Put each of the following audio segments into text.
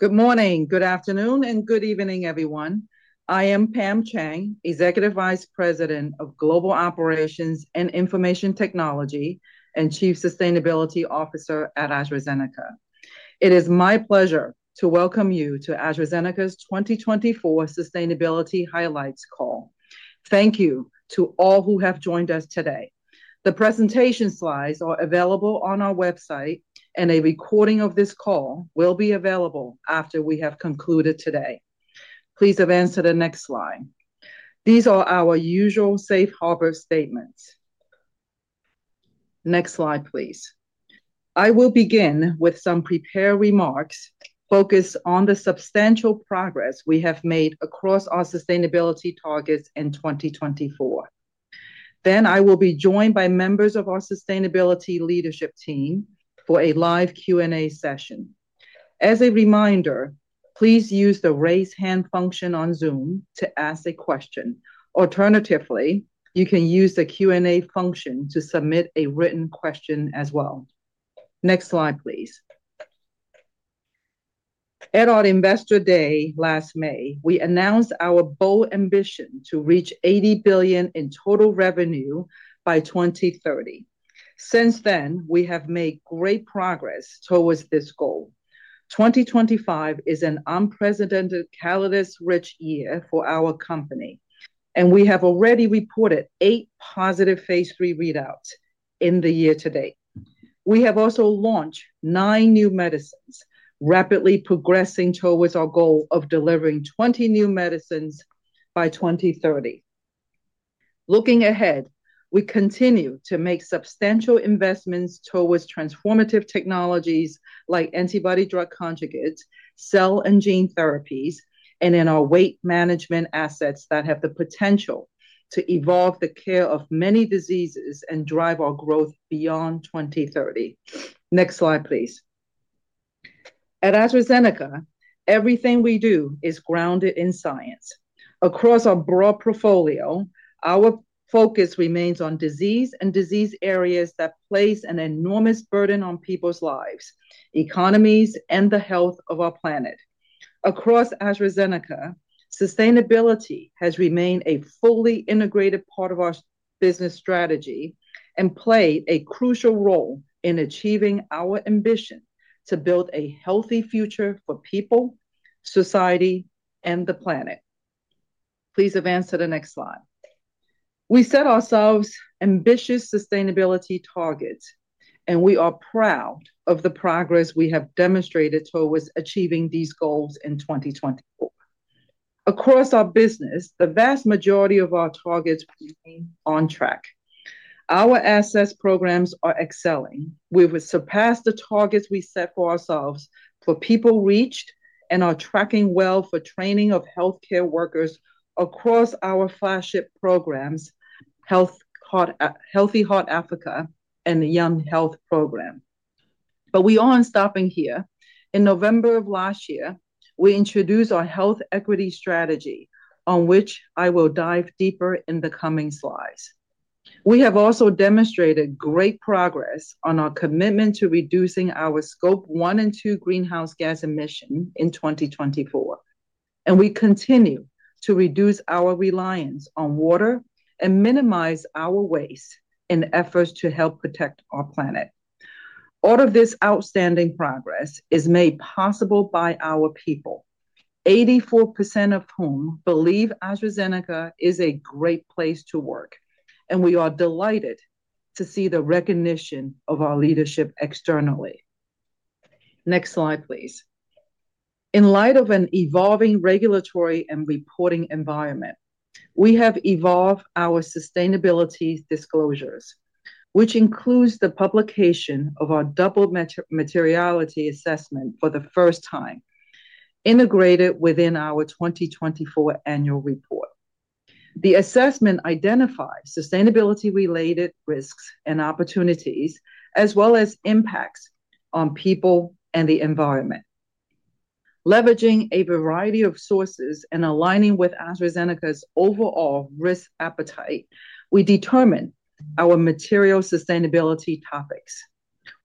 Good morning, good afternoon, and good evening, everyone. I am Pam Cheng, Executive Vice President of Global Operations and Information Technology and Chief Sustainability Officer at AstraZeneca. It is my pleasure to welcome you to AstraZeneca's 2024 Sustainability Highlights call. Thank you to all who have joined us today. The presentation slides are available on our website, and a recording of this call will be available after we have concluded today. Please advance to the next slide. These are our usual safe harbor statements. Next slide, please. I will begin with some prepared remarks focused on the substantial progress we have made across our sustainability targets in 2024. Then I will be joined by members of our sustainability leadership team for a live Q&A session. As a reminder, please use the raise hand function on Zoom to ask a question. Alternatively, you can use the Q&A function to submit a written question as well. Next slide, please. At our Investor Day last May, we announced our bold ambition to reach $80 billion in total revenue by 2030. Since then, we have made great progress towards this goal. 2025 is an unprecedented, catalyst-rich year for our company, and we have already reported eight positive phase 3 readouts in the year to date. We have also launched nine new medicines, rapidly progressing towards our goal of delivering 20 new medicines by 2030. Looking ahead, we continue to make substantial investments towards transformative technologies like antibody drug conjugates, cell and gene therapies, and in our weight management assets that have the potential to evolve the care of many diseases and drive our growth beyond 2030. Next slide, please. At AstraZeneca, everything we do is grounded in science. Across our broad portfolio, our focus remains on disease and disease areas that place an enormous burden on people's lives, economies, and the health of our planet. Across AstraZeneca, sustainability has remained a fully integrated part of our business strategy and played a crucial role in achieving our ambition to build a healthy future for people, society, and the planet. Please advance to the next slide. We set ourselves ambitious sustainability targets, and we are proud of the progress we have demonstrated towards achieving these goals in 2024. Across our business, the vast majority of our targets remain on track. Our assessed programs are excelling. We will surpass the targets we set for ourselves for people reached and are tracking well for training of healthcare workers across our flagship programs, Healthy Heart Africa, and the Young Health Program. We aren't stopping here. In November of last year, we introduced our health equity strategy, on which I will dive deeper in the coming slides. We have also demonstrated great progress on our commitment to reducing our Scope 1 and 2 greenhouse gas emissions in 2024, and we continue to reduce our reliance on water and minimize our waste in efforts to help protect our planet. All of this outstanding progress is made possible by our people, 84% of whom believe AstraZeneca is a great place to work, and we are delighted to see the recognition of our leadership externally. Next slide, please. In light of an evolving regulatory and reporting environment, we have evolved our sustainability disclosures, which includes the publication of our double materiality assessment for the first time, integrated within our 2024 annual report. The assessment identifies sustainability-related risks and opportunities, as well as impacts on people and the environment. Leveraging a variety of sources and aligning with AstraZeneca's overall risk appetite, we determined our material sustainability topics,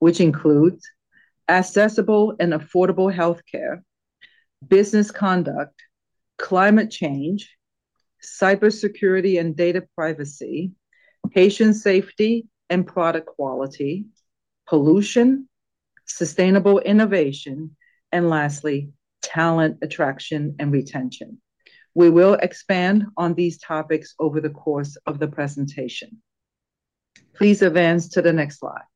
which include accessible and affordable healthcare, business conduct, climate change, cybersecurity and data privacy, patient safety and product quality, pollution, sustainable innovation, and lastly, talent attraction and retention. We will expand on these topics over the course of the presentation. Please advance to the next slide.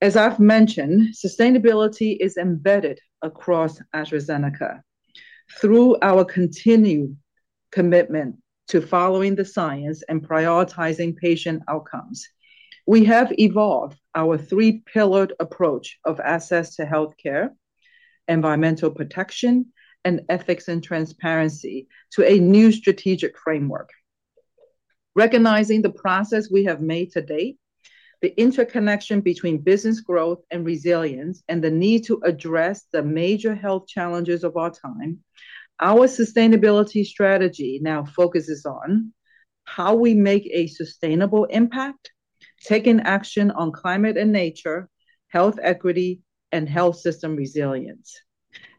As I've mentioned, sustainability is embedded across AstraZeneca. Through our continued commitment to following the science and prioritizing patient outcomes, we have evolved our three-pillar approach of access to healthcare, environmental protection, and ethics and transparency to a new strategic framework. Recognizing the progress we have made to date, the interconnection between business growth and resilience, and the need to address the major health challenges of our time, our sustainability strategy now focuses on how we make a sustainable impact, taking action on climate and nature, health equity, and health system resilience,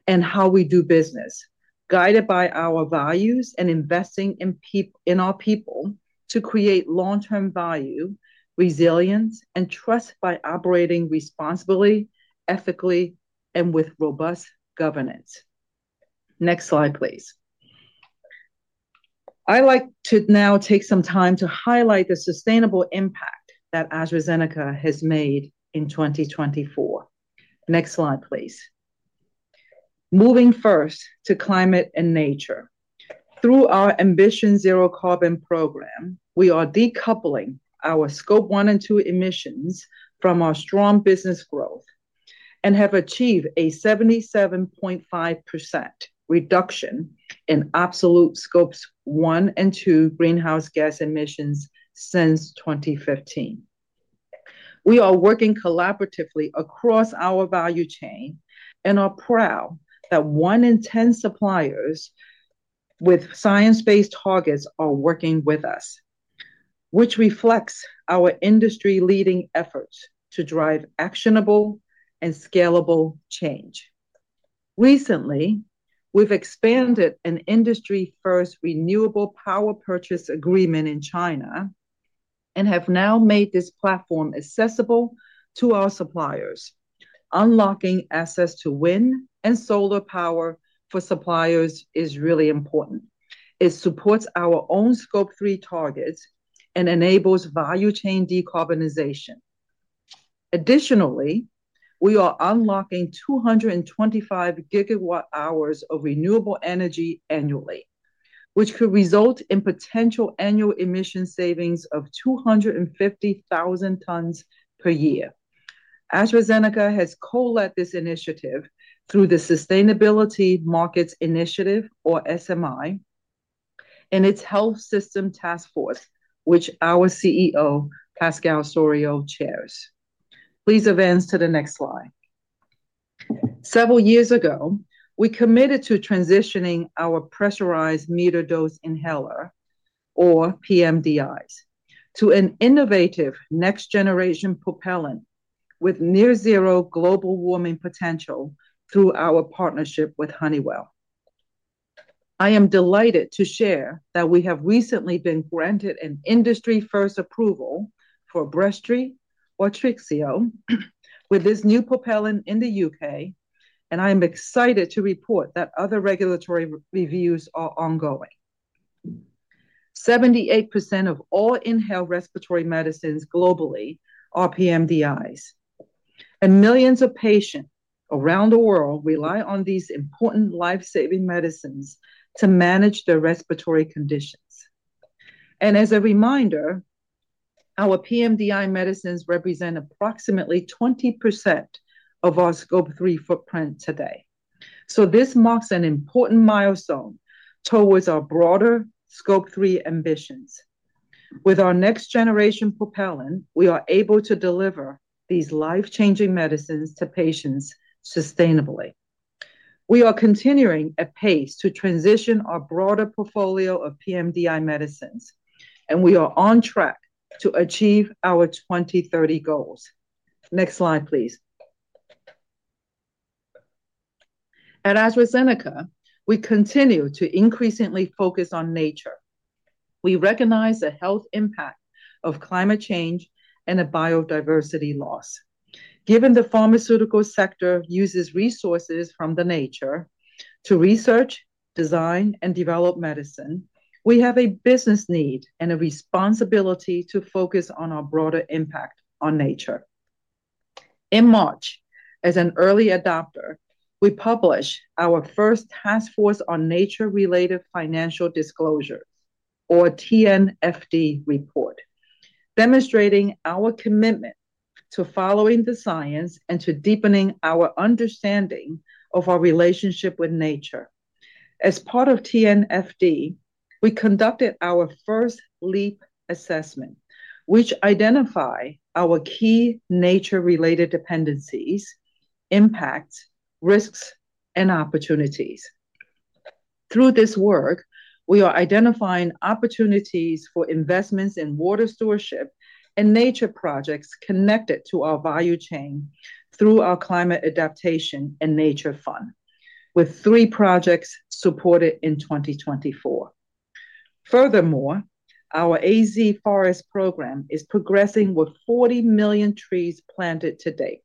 and how we do business, guided by our values and investing in our people to create long-term value, resilience, and trust by operating responsibly, ethically, and with robust governance. Next slide, please. I'd like to now take some time to highlight the sustainable impact that AstraZeneca has made in 2024. Next slide, please. Moving first to climate and nature. Through our Ambition Zero Carbon program, we are decoupling our Scope 1 and 2 emissions from our strong business growth and have achieved a 77.5% reduction in absolute Scope 1 and 2 greenhouse gas emissions since 2015. We are working collaboratively across our value chain and are proud that one in ten suppliers with science-based targets are working with us, which reflects our industry-leading efforts to drive actionable and scalable change. Recently, we've expanded an industry-first renewable power purchase agreement in China and have now made this platform accessible to our suppliers. Unlocking access to wind and solar power for suppliers is really important. It supports our own Scope 3 targets and enables value chain decarbonization. Additionally, we are unlocking 225 gigawatt hours of renewable energy annually, which could result in potential annual emission savings of 250,000 tons per year. AstraZeneca has co-led this initiative through the Sustainable Markets Initiative, or SMI, and its Health System Task Force, which our CEO, Pascal Soriot, chairs. Please advance to the next slide. Several years ago, we committed to transitioning our pressurized metered dose inhaler, or PMDIs, to an innovative next-generation propellant with near-zero global warming potential through our partnership with Honeywell. I am delighted to share that we have recently been granted an industry-first approval for Breztri or Truqap with this new propellant in the U.K., and I am excited to report that other regulatory reviews are ongoing. 78% of all inhaled respiratory medicines globally are PMDIs, and millions of patients around the world rely on these important life-saving medicines to manage their respiratory conditions. As a reminder, our PMDI medicines represent approximately 20% of our Scope 3 footprint today. This marks an important milestone towards our broader Scope 3 ambitions. With our next-generation propellant, we are able to deliver these life-changing medicines to patients sustainably. We are continuing at pace to transition our broader portfolio of PMDI medicines, and we are on track to achieve our 2030 goals. Next slide, please. At AstraZeneca, we continue to increasingly focus on nature. We recognize the health impact of climate change and the biodiversity loss. Given the pharmaceutical sector uses resources from nature to research, design, and develop medicine, we have a business need and a responsibility to focus on our broader impact on nature. In March, as an early adopter, we published our first Task Force on Nature-Related Financial Disclosures, or TNFD, report, demonstrating our commitment to following the science and to deepening our understanding of our relationship with nature. As part of TNFD, we conducted our first LEAP assessment, which identified our key nature-related dependencies, impacts, risks, and opportunities. Through this work, we are identifying opportunities for investments in water stewardship and nature projects connected to our value chain through our Climate Adaptation and Nature Fund, with three projects supported in 2024. Furthermore, our AZ Forest program is progressing with 40 million trees planted to date,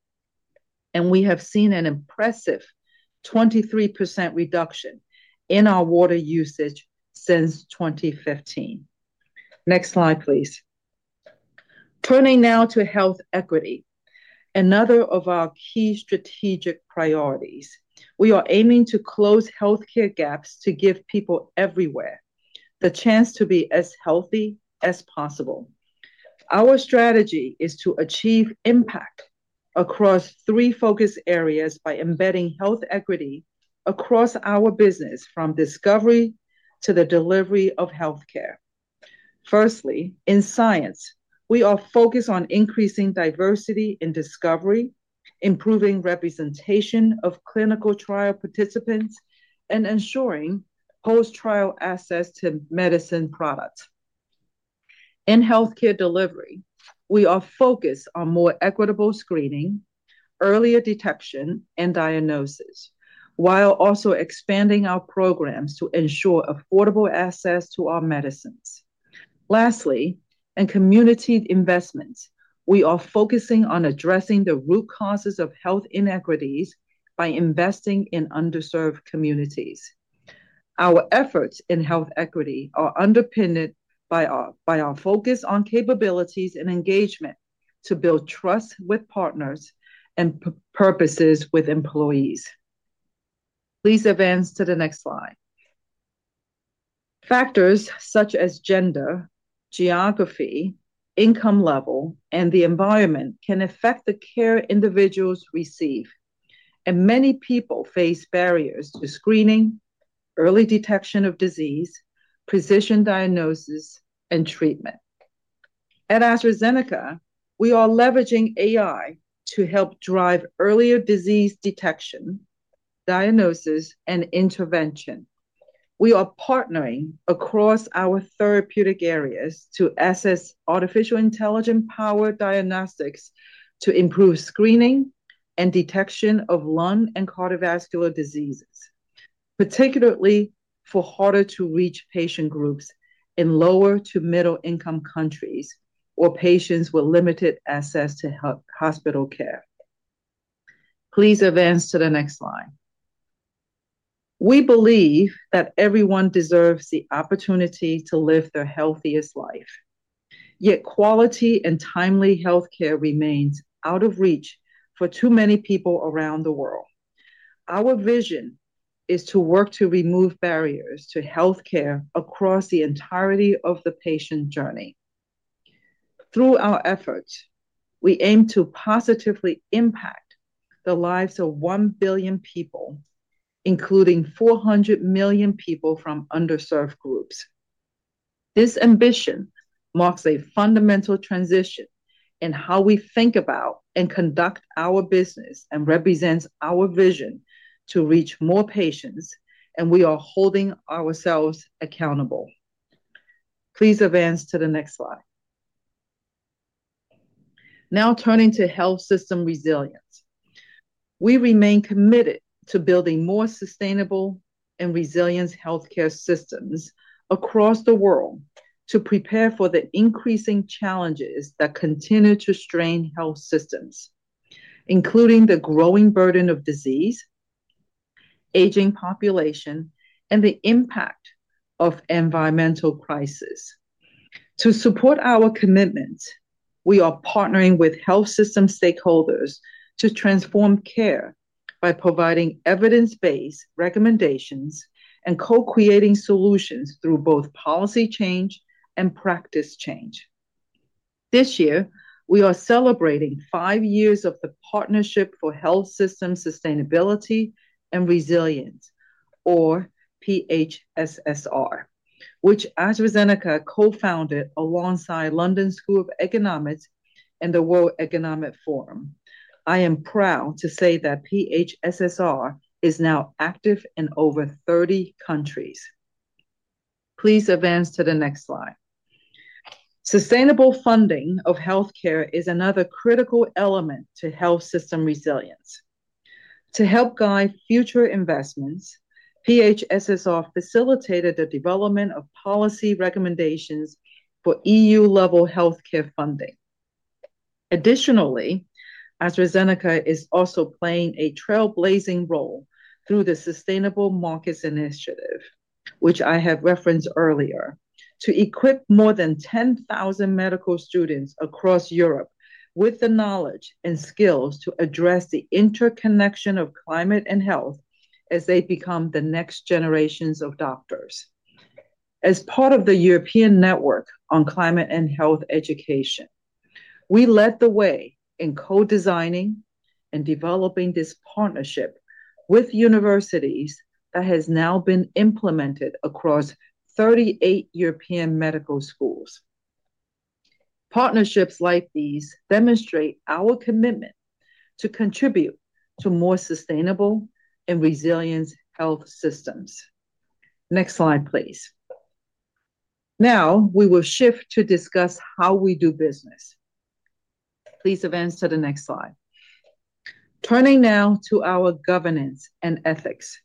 and we have seen an impressive 23% reduction in our water usage since 2015. Next slide, please. Turning now to health equity, another of our key strategic priorities, we are aiming to close healthcare gaps to give people everywhere the chance to be as healthy as possible. Our strategy is to achieve impact across three focus areas by embedding health equity across our business from discovery to the delivery of healthcare. Firstly, in science, we are focused on increasing diversity in discovery, improving representation of clinical trial participants, and ensuring post-trial access to medicine products. In healthcare delivery, we are focused on more equitable screening, earlier detection, and diagnosis, while also expanding our programs to ensure affordable access to our medicines. Lastly, in community investments, we are focusing on addressing the root causes of health inequities by investing in underserved communities. Our efforts in health equity are underpinned by our focus on capabilities and engagement to build trust with partners and purposes with employees. Please advance to the next slide. Factors such as gender, geography, income level, and the environment can affect the care individuals receive, and many people face barriers to screening, early detection of disease, precision diagnosis, and treatment. At AstraZeneca, we are leveraging AI to help drive earlier disease detection, diagnosis, and intervention. We are partnering across our therapeutic areas to assess artificial intelligence-powered diagnostics to improve screening and detection of lung and cardiovascular diseases, particularly for harder-to-reach patient groups in lower to middle-income countries or patients with limited access to hospital care. Please advance to the next slide. We believe that everyone deserves the opportunity to live their healthiest life, yet quality and timely healthcare remains out of reach for too many people around the world. Our vision is to work to remove barriers to healthcare across the entirety of the patient journey. Through our efforts, we aim to positively impact the lives of 1 billion people, including 400 million people from underserved groups. This ambition marks a fundamental transition in how we think about and conduct our business and represents our vision to reach more patients, and we are holding ourselves accountable. Please advance to the next slide. Now turning to health system resilience, we remain committed to building more sustainable and resilient healthcare systems across the world to prepare for the increasing challenges that continue to strain health systems, including the growing burden of disease, aging population, and the impact of environmental crises. To support our commitments, we are partnering with health system stakeholders to transform care by providing evidence-based recommendations and co-creating solutions through both policy change and practice change. This year, we are celebrating five years of the Partnership for Health System Sustainability and Resilience, or PHSSR, which AstraZeneca co-founded alongside the London School of Economics and the World Economic Forum. I am proud to say that PHSSR is now active in over 30 countries. Please advance to the next slide. Sustainable funding of healthcare is another critical element to health system resilience. To help guide future investments, PHSSR facilitated the development of policy recommendations for EU-level healthcare funding. Additionally, AstraZeneca is also playing a trailblazing role through the Sustainable Markets Initiative, which I have referenced earlier, to equip more than 10,000 medical students across Europe with the knowledge and skills to address the interconnection of climate and health as they become the next generations of doctors. As part of the European Network on Climate and Health Education, we led the way in co-designing and developing this partnership with universities that has now been implemented across 38 European medical schools. Partnerships like these demonstrate our commitment to contribute to more sustainable and resilient health systems. Next slide, please. Now we will shift to discuss how we do business. Please advance to the next slide. Turning now to our governance and ethics.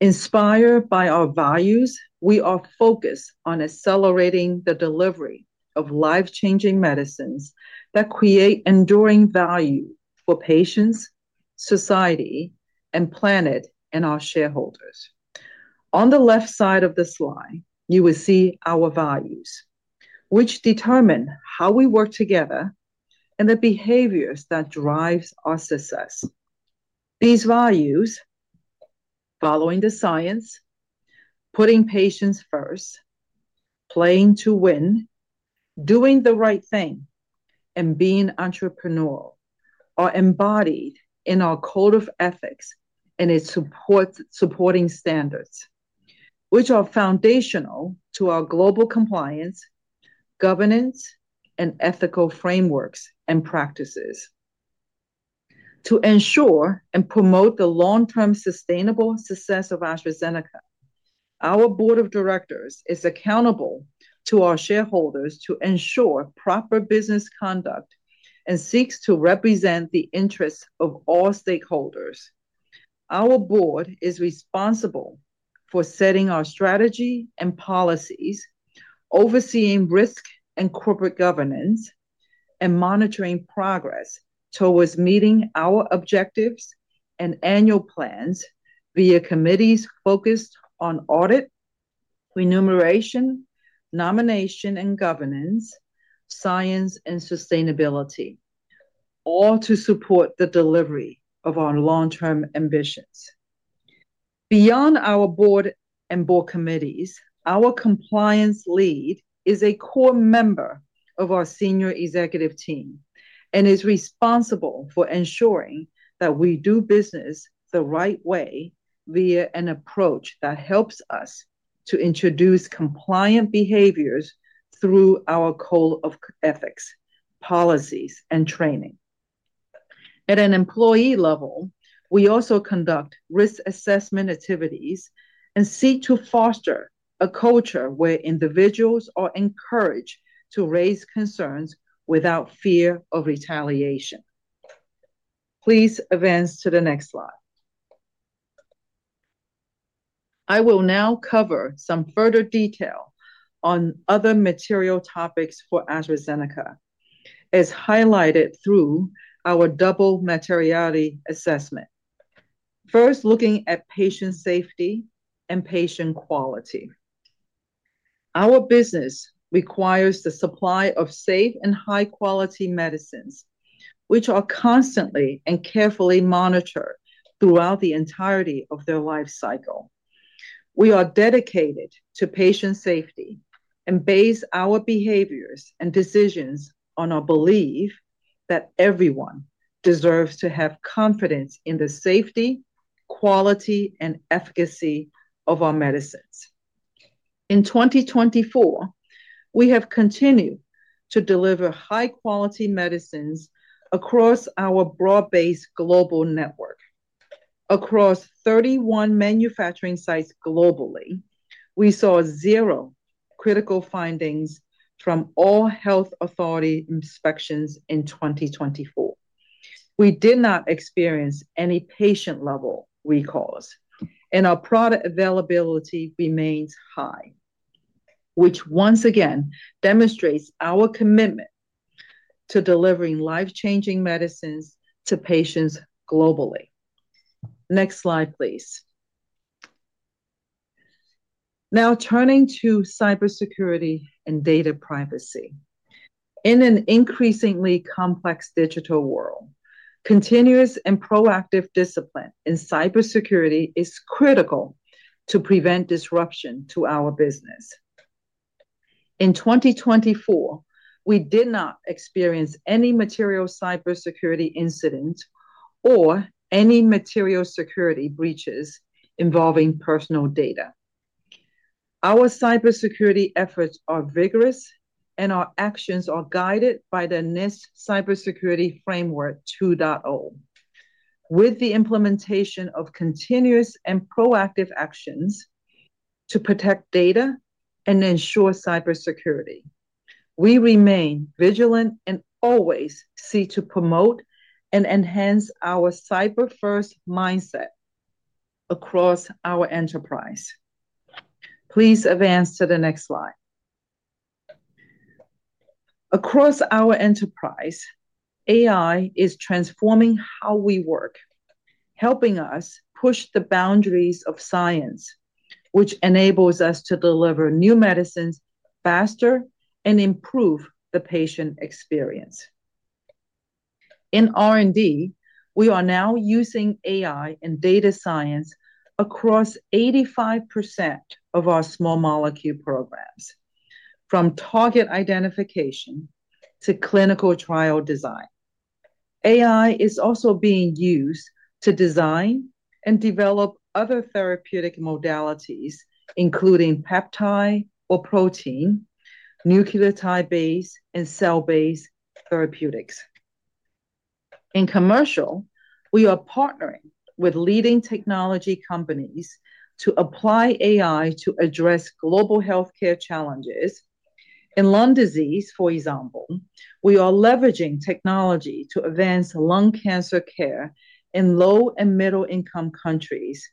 Inspired by our values, we are focused on accelerating the delivery of life-changing medicines that create enduring value for patients, society, and planet and our shareholders. On the left side of the slide, you will see our values, which determine how we work together and the behaviors that drive our success. These values—following the science, putting patients first, playing to win, doing the right thing, and being entrepreneurial—are embodied in our code of ethics and its supporting standards, which are foundational to our global compliance, governance, and ethical frameworks and practices. To ensure and promote the long-term sustainable success of AstraZeneca, our board of directors is accountable to our shareholders to ensure proper business conduct and seeks to represent the interests of all stakeholders. Our board is responsible for setting our strategy and policies, overseeing risk and corporate governance, and monitoring progress towards meeting our objectives and annual plans via committees focused on audit, remuneration, nomination and governance, science, and sustainability, all to support the delivery of our long-term ambitions. Beyond our board and board committees, our compliance lead is a core member of our senior executive team and is responsible for ensuring that we do business the right way via an approach that helps us to introduce compliant behaviors through our code of ethics, policies, and training. At an employee level, we also conduct risk assessment activities and seek to foster a culture where individuals are encouraged to raise concerns without fear of retaliation. Please advance to the next slide. I will now cover some further detail on other material topics for AstraZeneca, as highlighted through our double materiality assessment, first looking at patient safety and patient quality. Our business requires the supply of safe and high-quality medicines, which are constantly and carefully monitored throughout the entirety of their life cycle. We are dedicated to patient safety and base our behaviors and decisions on our belief that everyone deserves to have confidence in the safety, quality, and efficacy of our medicines. In 2024, we have continued to deliver high-quality medicines across our broad-based global network. Across 31 manufacturing sites globally, we saw zero critical findings from all health authority inspections in 2024. We did not experience any patient-level recalls, and our product availability remains high, which once again demonstrates our commitment to delivering life-changing medicines to patients globally. Next slide, please. Now turning to cybersecurity and data privacy. In an increasingly complex digital world, continuous and proactive discipline in cybersecurity is critical to prevent disruption to our business. In 2024, we did not experience any material cybersecurity incidents or any material security breaches involving personal data. Our cybersecurity efforts are vigorous, and our actions are guided by the NIST Cybersecurity Framework 2.0. With the implementation of continuous and proactive actions to protect data and ensure cybersecurity, we remain vigilant and always seek to promote and enhance our cyber-first mindset across our enterprise. Please advance to the next slide. Across our enterprise, AI is transforming how we work, helping us push the boundaries of science, which enables us to deliver new medicines faster and improve the patient experience. In R&D, we are now using AI and data science across 85% of our small molecule programs, from target identification to clinical trial design. AI is also being used to design and develop other therapeutic modalities, including peptide or protein, nucleotide-based, and cell-based therapeutics. In commercial, we are partnering with leading technology companies to apply AI to address global healthcare challenges. In lung disease, for example, we are leveraging technology to advance lung cancer care in low and middle-income countries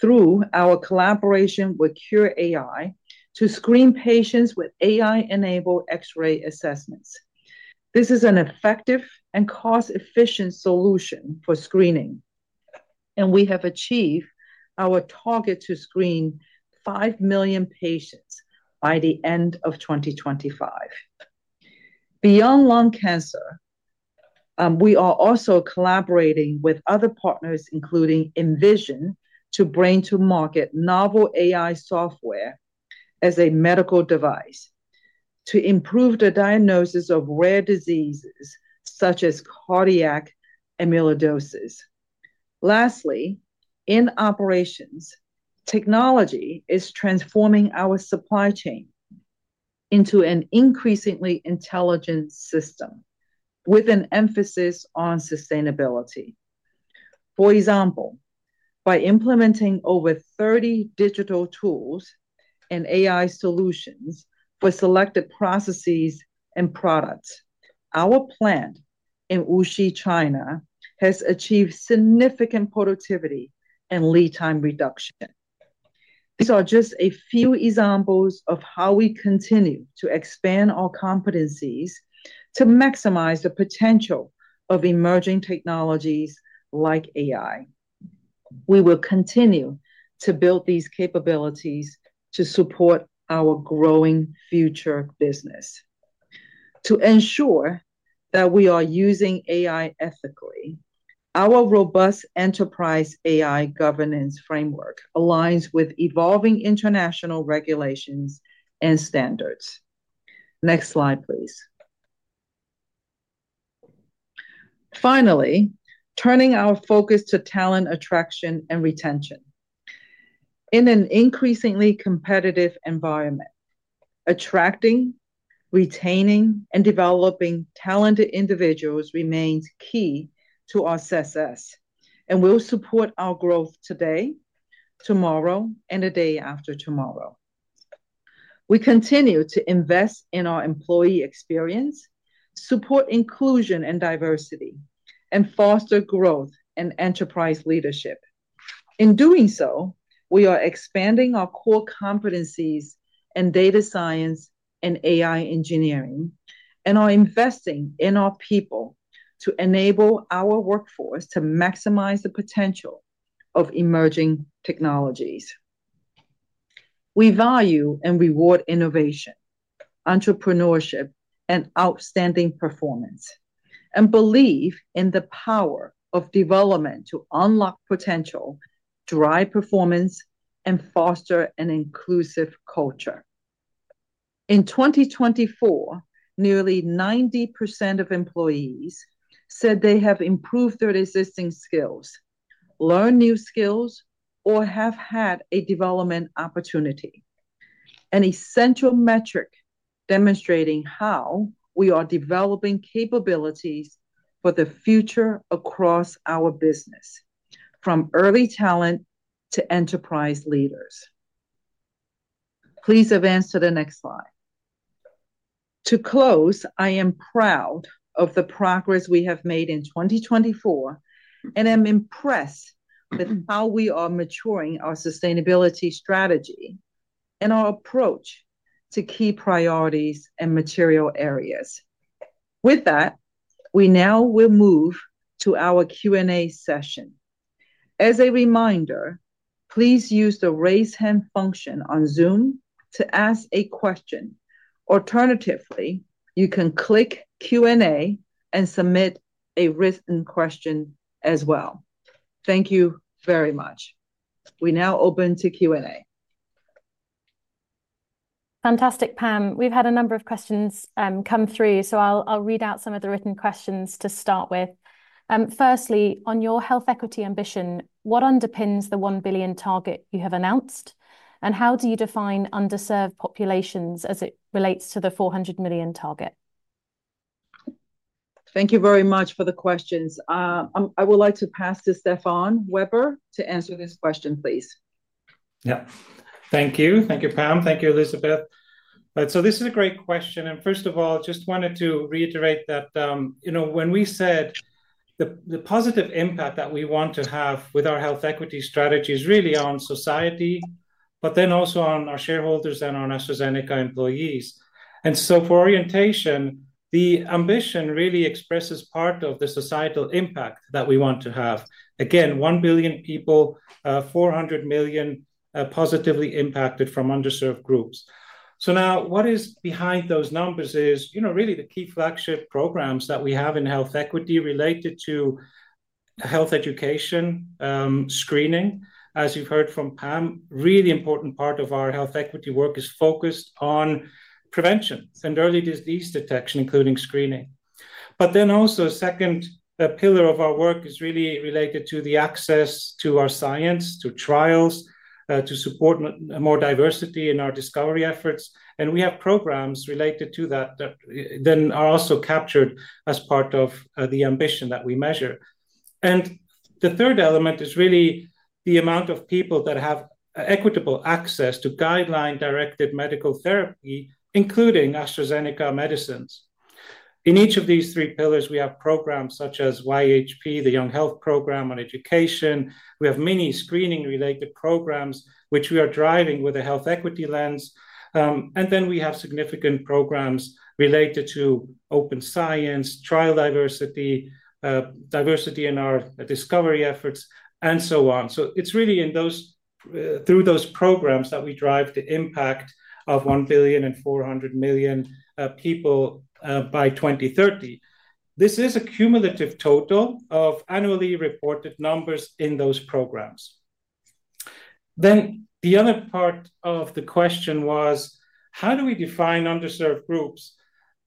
through our collaboration with CureAI to screen patients with AI-enabled X-ray assessments. This is an effective and cost-efficient solution for screening, and we have achieved our target to screen 5 million patients by the end of 2025. Beyond lung cancer, we are also collaborating with other partners, including Envision, to bring to market novel AI software as a medical device to improve the diagnosis of rare diseases such as cardiac amyloidosis. Lastly, in operations, technology is transforming our supply chain into an increasingly intelligent system with an emphasis on sustainability. For example, by implementing over 30 digital tools and AI solutions for selected processes and products, our plant in Wuxi, China, has achieved significant productivity and lead time reduction. These are just a few examples of how we continue to expand our competencies to maximize the potential of emerging technologies like AI. We will continue to build these capabilities to support our growing future business. To ensure that we are using AI ethically, our robust enterprise AI governance framework aligns with evolving international regulations and standards. Next slide, please. Finally, turning our focus to talent attraction and retention. In an increasingly competitive environment, attracting, retaining, and developing talented individuals remains key to our success and will support our growth today, tomorrow, and the day after tomorrow. We continue to invest in our employee experience, support inclusion and diversity, and foster growth and enterprise leadership. In doing so, we are expanding our core competencies in data science and AI engineering and are investing in our people to enable our workforce to maximize the potential of emerging technologies. We value and reward innovation, entrepreneurship, and outstanding performance, and believe in the power of development to unlock potential, drive performance, and foster an inclusive culture. In 2024, nearly 90% of employees said they have improved their existing skills, learned new skills, or have had a development opportunity, an essential metric demonstrating how we are developing capabilities for the future across our business, from early talent to enterprise leaders. Please advance to the next slide. To close, I am proud of the progress we have made in 2024 and am impressed with how we are maturing our sustainability strategy and our approach to key priorities and material areas. With that, we now will move to our Q&A session. As a reminder, please use the raise hand function on Zoom to ask a question. Alternatively, you can click Q&A and submit a written question as well. Thank you very much. We now open to Q&A. Fantastic, Pam. We've had a number of questions come through, so I'll read out some of the written questions to start with. Firstly, on your health equity ambition, what underpins the 1 billion target you have announced, and how do you define underserved populations as it relates to the 400 million target? Thank you very much for the questions. I would like to pass to Stefan Weber to answer this question, please. Yeah, thank you. Thank you, Pam. Thank you, Elizabeth. This is a great question. First of all, I just wanted to reiterate that when we said the positive impact that we want to have with our health equity strategy is really on society, but then also on our shareholders and our AstraZeneca employees. For orientation, the ambition really expresses part of the societal impact that we want to have. Again, 1 billion people, 400 million positively impacted from underserved groups. What is behind those numbers is really the key flagship programs that we have in health equity related to health education, screening, as you've heard from Pam. A really important part of our health equity work is focused on prevention and early disease detection, including screening. A second pillar of our work is really related to the access to our science, to trials, to support more diversity in our discovery efforts. We have programs related to that that then are also captured as part of the ambition that we measure. The third element is really the amount of people that have equitable access to guideline-directed medical therapy, including AstraZeneca medicines. In each of these three pillars, we have programs such as YHP, the Young Health Program on Education. We have many screening-related programs, which we are driving with a health equity lens. We have significant programs related to open science, trial diversity, diversity in our discovery efforts, and so on. It is really through those programs that we drive the impact of 1 billion and 400 million people by 2030. This is a cumulative total of annually reported numbers in those programs. The other part of the question was, how do we define underserved groups?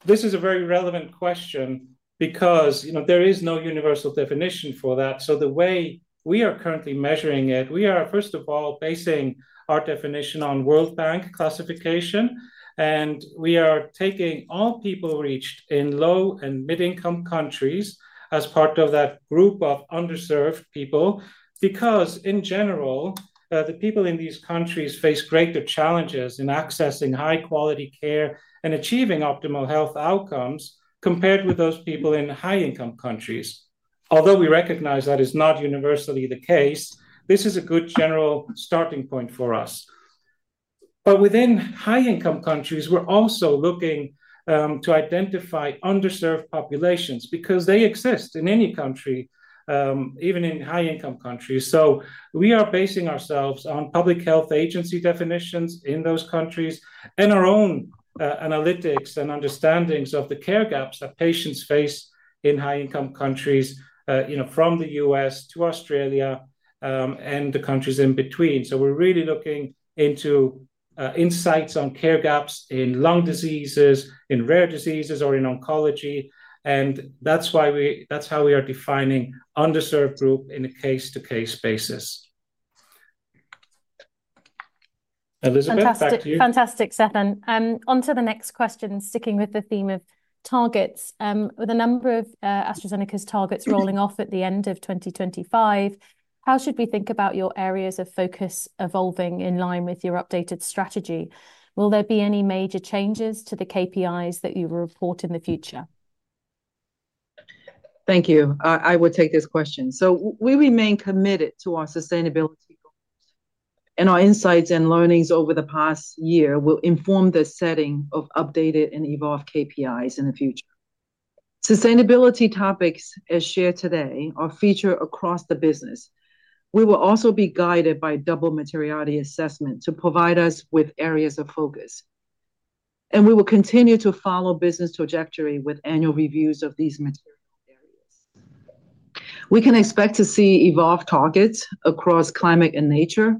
This is a very relevant question because there is no universal definition for that. The way we are currently measuring it, we are, first of all, basing our definition on World Bank classification, and we are taking all people reached in low and mid-income countries as part of that group of underserved people because, in general, the people in these countries face greater challenges in accessing high-quality care and achieving optimal health outcomes compared with those people in high-income countries. Although we recognize that is not universally the case, this is a good general starting point for us. Within high-income countries, we're also looking to identify underserved populations because they exist in any country, even in high-income countries. We are basing ourselves on public health agency definitions in those countries and our own analytics and understandings of the care gaps that patients face in high-income countries from the U.S. to Australia and the countries in between. We are really looking into insights on care gaps in lung diseases, in rare diseases, or in oncology. That is how we are defining underserved group in a case-to-case basis. Elizabeth, back to you. Fantastic, Stefan. Onto the next question, sticking with the theme of targets. With a number of AstraZeneca's targets rolling off at the end of 2025, how should we think about your areas of focus evolving in line with your updated strategy? Will there be any major changes to the KPIs that you will report in the future? Thank you. I would take this question. We remain committed to our sustainability goals. Our insights and learnings over the past year will inform the setting of updated and evolved KPIs in the future. Sustainability topics, as shared today, are featured across the business. We will also be guided by double materiality assessment to provide us with areas of focus. We will continue to follow business trajectory with annual reviews of these material areas. We can expect to see evolved targets across climate and nature,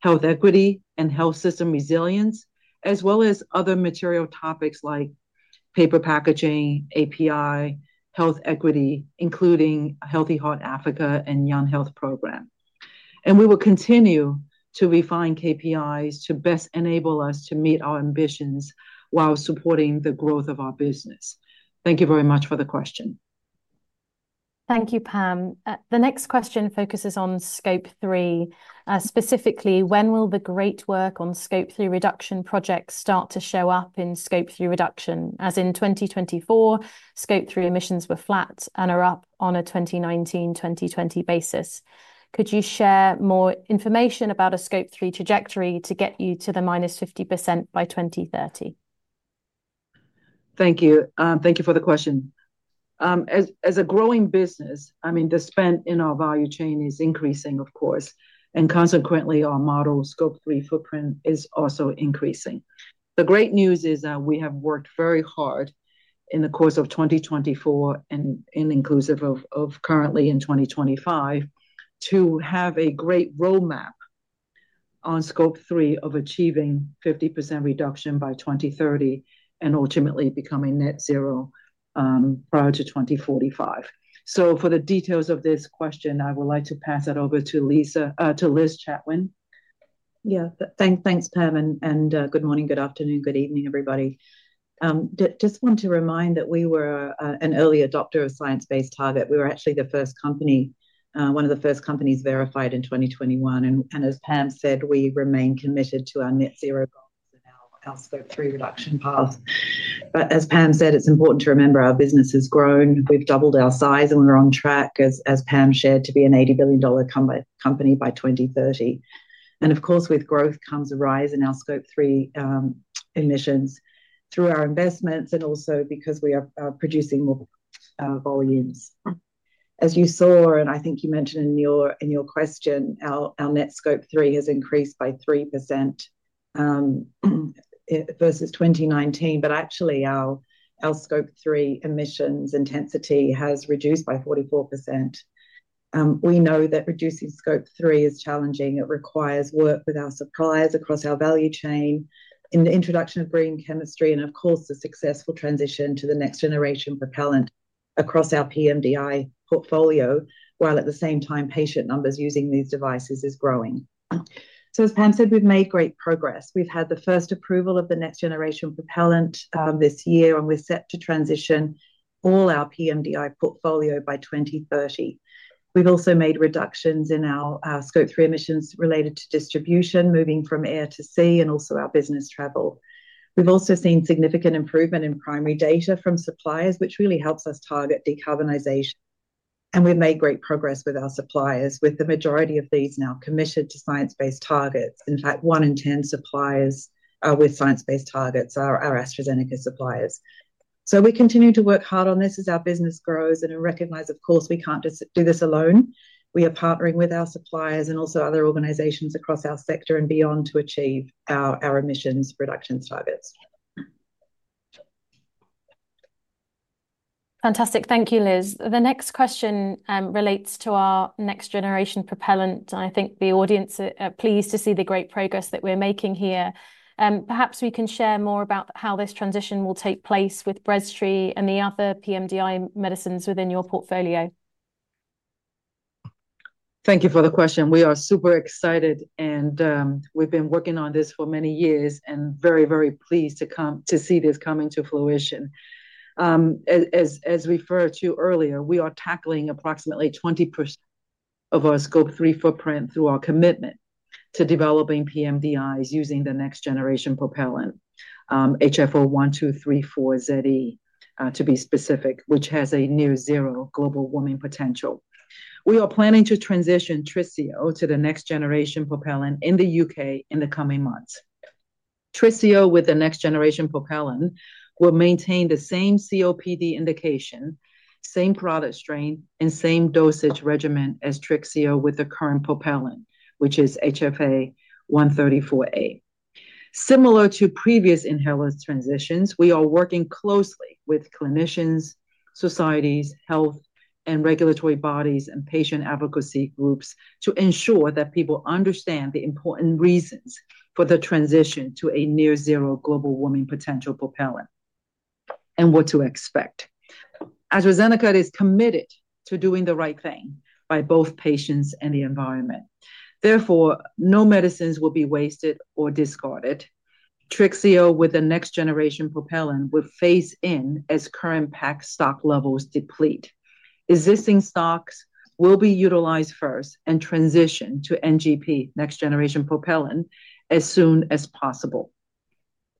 health equity and health system resilience, as well as other material topics like paper packaging, API, health equity, including Healthy Heart Africa and Young Health Program. We will continue to refine KPIs to best enable us to meet our ambitions while supporting the growth of our business. Thank you very much for the question. Thank you, Pam. The next question focuses on Scope 3. Specifically, when will the great work on Scope 3 reduction projects start to show up in Scope 3 reduction, as in 2024, Scope 3 emissions were flat and are up on a 2019-2020 basis? Could you share more information about a Scope 3 trajectory to get you to the minus 50% by 2030? Thank you. Thank you for the question. As a growing business, I mean, the spend in our value chain is increasing, of course, and consequently, our model Scope 3 footprint is also increasing. The great news is that we have worked very hard in the course of 2024 and inclusive of currently in 2025 to have a great roadmap on Scope 3 of achieving 50% reduction by 2030 and ultimately becoming net zero prior to 2045. For the details of this question, I would like to pass it over to Liz Chatwin. Yeah, thanks, Pam, and good morning, good afternoon, good evening, everybody. Just want to remind that we were an early adopter of science-based target. We were actually the first company, one of the first companies verified in 2021. As Pam said, we remain committed to our net zero goals and our Scope 3 reduction path. It is important to remember our business has grown. We've doubled our size and we're on track, as Pam shared, to be an $80 billion company by 2030. Of course, with growth comes a rise in our Scope 3 emissions through our investments and also because we are producing more volumes. As you saw, and I think you mentioned in your question, our net Scope 3 has increased by 3% versus 2019, but actually, our Scope 3 emissions intensity has reduced by 44%. We know that reducing Scope 3 is challenging. It requires work with our suppliers across our value chain, in the introduction of green chemistry, and of course, the successful transition to the next generation propellant across our PMDI portfolio, while at the same time, patient numbers using these devices are growing. As Pam said, we've made great progress. We've had the first approval of the next generation propellant this year, and we're set to transition all our PMDI portfolio by 2030. We've also made reductions in our Scope 3 emissions related to distribution, moving from air to sea, and also our business travel. We've also seen significant improvement in primary data from suppliers, which really helps us target decarbonization. We've made great progress with our suppliers, with the majority of these now committed to science-based targets. In fact, one in ten suppliers with science-based targets are AstraZeneca suppliers. We continue to work hard on this as our business grows. I recognize, of course, we can't do this alone. We are partnering with our suppliers and also other organizations across our sector and beyond to achieve our emissions reduction targets. Fantastic. Thank you, Liz. The next question relates to our next generation propellant. I think the audience are pleased to see the great progress that we're making here. Perhaps we can share more about how this transition will take place with Breztri and the other PMDI medicines within your portfolio. Thank you for the question. We are super excited, and we've been working on this for many years and very, very pleased to see this come into fruition. As we referred to earlier, we are tackling approximately 20% of our Scope 3 footprint through our commitment to developing PMDIs using the next generation propellant, HFO-1234ze(E), to be specific, which has a near-zero global warming potential. We are planning to transition Breztri to the next generation propellant in the U.K. in the coming months. Breztri with the next generation propellant will maintain the same COPD indication, same product strength, and same dosage regimen as Breztri with the current propellant, which is HFA-134a. Similar to previous inhaler transitions, we are working closely with clinicians, societies, health and regulatory bodies, and patient advocacy groups to ensure that people understand the important reasons for the transition to a near-zero global warming potential propellant and what to expect. AstraZeneca is committed to doing the right thing by both patients and the environment. Therefore, no medicines will be wasted or discarded. Breztri with the next generation propellant will phase in as current PAC stock levels deplete. Existing stocks will be utilized first and transitioned to NGP next generation propellant as soon as possible.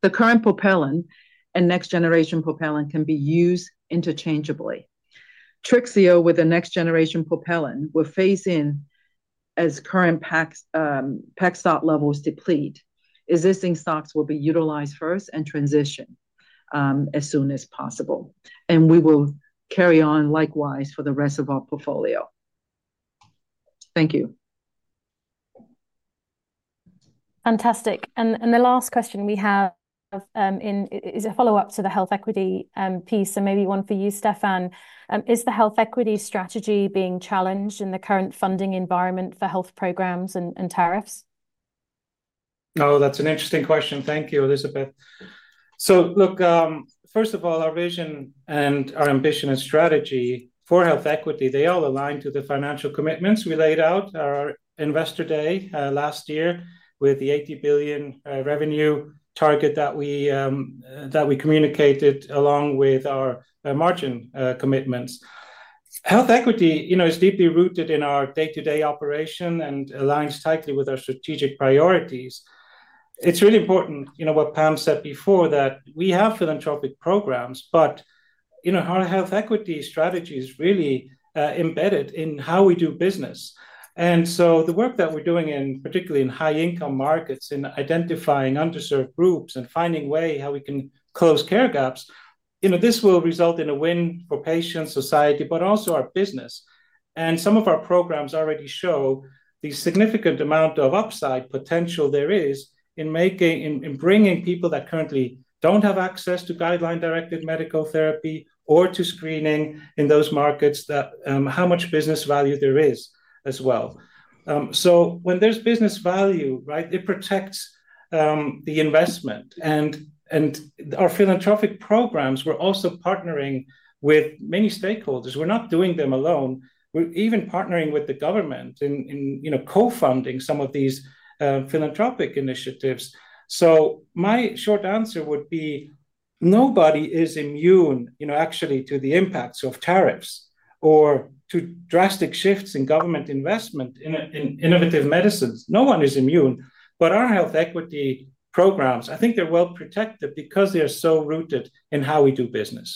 The current propellant and next generation propellant can be used interchangeably. Breztri with the next generation propellant will phase in as current PAC stock levels deplete. Existing stocks will be utilized first and transitioned as soon as possible. We will carry on likewise for the rest of our portfolio. Thank you. Fantastic. The last question we have is a follow-up to the health equity piece, and maybe one for you, Stefan. Is the health equity strategy being challenged in the current funding environment for health programs and tariffs? No, that's an interesting question. Thank you, Elizabeth. First of all, our vision and our ambition and strategy for health equity, they all align to the financial commitments we laid out at our investor day last year with the $80 billion revenue target that we communicated along with our margin commitments. Health equity is deeply rooted in our day-to-day operation and aligns tightly with our strategic priorities. It's really important what Pam said before, that we have philanthropic programs, but our health equity strategy is really embedded in how we do business. The work that we're doing, particularly in high-income markets, in identifying underserved groups and finding ways how we can close care gaps, this will result in a win for patients, society, but also our business. Some of our programs already show the significant amount of upside potential there is in bringing people that currently do not have access to guideline-directed medical therapy or to screening in those markets how much business value there is as well. When there is business value, it protects the investment. Our philanthropic programs, we are also partnering with many stakeholders. We are not doing them alone. We are even partnering with the government in co-funding some of these philanthropic initiatives. My short answer would be nobody is immune, actually, to the impacts of tariffs or to drastic shifts in government investment in innovative medicines. No one is immune. Our health equity programs, I think they are well protected because they are so rooted in how we do business.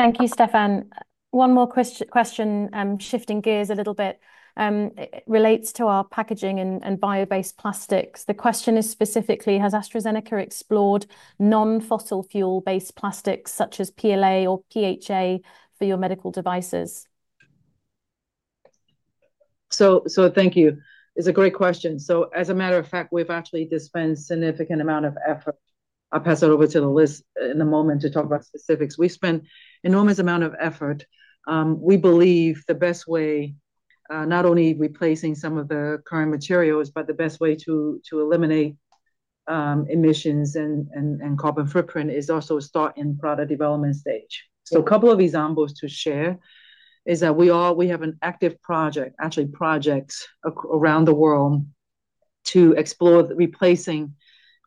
Thank you, Stefan. One more question, shifting gears a little bit, relates to our packaging and bio-based plastics. The question is specifically, has AstraZeneca explored non-fossil fuel-based plastics such as PLA or PHA for your medical devices? Thank you. It's a great question. As a matter of fact, we've actually dispensed a significant amount of effort. I'll pass it over to Liz in a moment to talk about specifics. We spend enormous amounts of effort. We believe the best way, not only replacing some of the current materials, but the best way to eliminate emissions and carbon footprint is also starting in the product development stage. A couple of examples to share is that we have an active project, actually projects around the world to explore replacing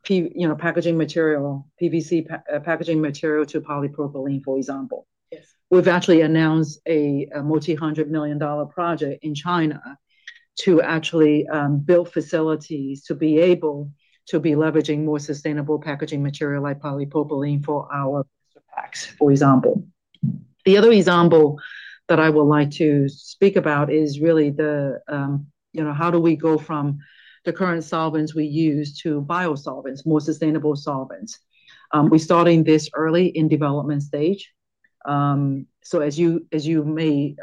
packaging material, PVC packaging material to polypropylene, for example. We've actually announced a multi-hundred million dollar project in China to actually build facilities to be able to be leveraging more sustainable packaging material like polypropylene for our packs, for example. The other example that I would like to speak about is really how do we go from the current solvents we use to biosolvents, more sustainable solvents. We're starting this early in development stage. As you may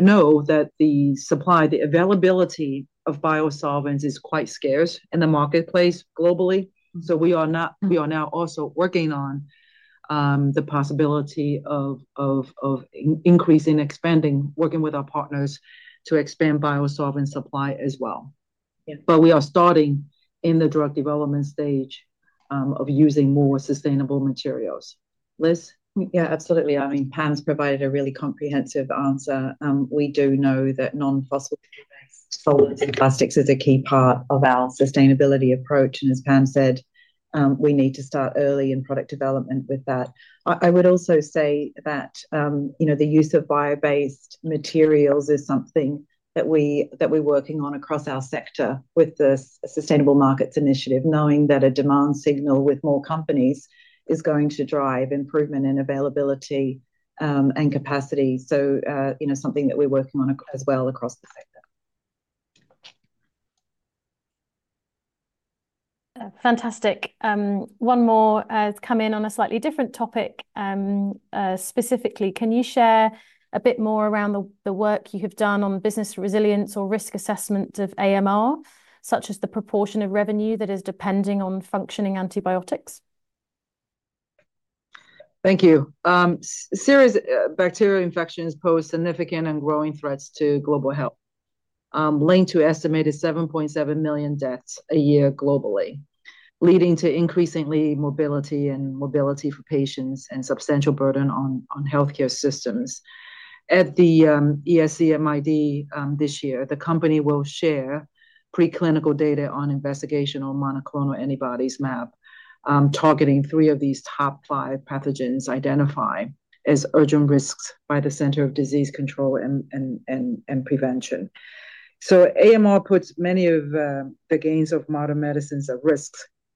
know, the supply, the availability of biosolvents is quite scarce in the marketplace globally. We are now also working on the possibility of increasing, expanding, working with our partners to expand biosolvent supply as well. We are starting in the drug development stage of using more sustainable materials. Liz? Yeah, absolutely. I mean, Pam's provided a really comprehensive answer. We do know that non-fossil fuel-based solvents and plastics is a key part of our sustainability approach. As Pam said, we need to start early in product development with that. I would also say that the use of bio-based materials is something that we're working on across our sector with the Sustainable Markets Initiative, knowing that a demand signal with more companies is going to drive improvement in availability and capacity. That is something that we're working on as well across the sector. Fantastic. One more has come in on a slightly different topic. Specifically, can you share a bit more around the work you have done on business resilience or risk assessment of AMR, such as the proportion of revenue that is depending on functioning antibiotics? Thank you. Serious bacterial infections pose significant and growing threats to global health, linked to an estimated 7.7 million deaths a year globally, leading to increasing morbidity and mortality for patients and substantial burden on healthcare systems. At the ESCMID this year, the company will share preclinical data on investigational monoclonal antibodies, MAP, targeting three of these top five pathogens identified as urgent risks by the Center for Disease Control and Prevention. AMR puts many of the gains of modern medicines at risk,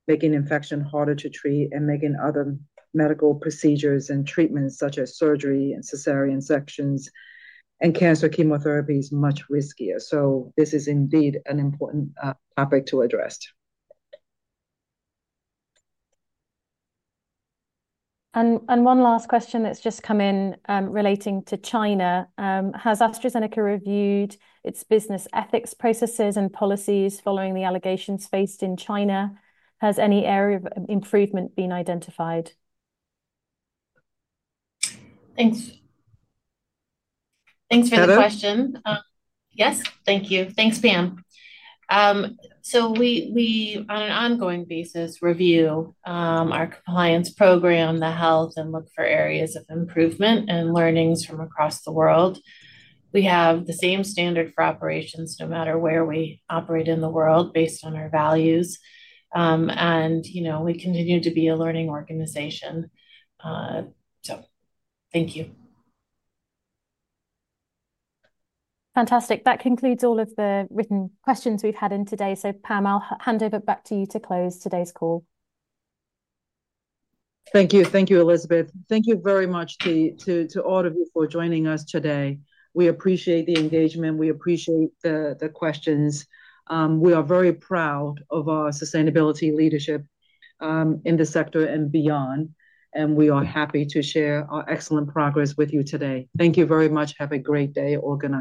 making infection harder to treat and making other medical procedures and treatments such as surgery and cesarean sections and cancer chemotherapies much riskier. This is indeed an important topic to address. One last question that's just come in relating to China. Has AstraZeneca reviewed its business ethics processes and policies following the allegations faced in China? Has any area of improvement been identified? Thanks. Thanks for the question. Yes, thank you. Thanks, Pam. We, on an ongoing basis, review our compliance program, the health, and look for areas of improvement and learnings from across the world. We have the same standard for operations no matter where we operate in the world based on our values. We continue to be a learning organization. Thank you. Fantastic. That concludes all of the written questions we've had in today. Pam, I'll hand over back to you to close today's call. Thank you. Thank you, Elizabeth. Thank you very much to all of you for joining us today. We appreciate the engagement. We appreciate the questions. We are very proud of our sustainability leadership in the sector and beyond. We are happy to share our excellent progress with you today. Thank you very much. Have a great day organizing.